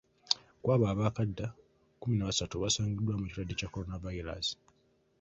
Kw'abo abaakadda, kkumi na basatu basangiddwamu ekirwadde kya Kolonavayiraasi.